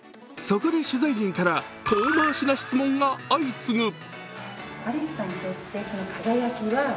そこで取材陣から遠回しな質問が相次ぐ。